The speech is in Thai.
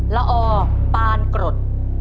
ละออปานกรด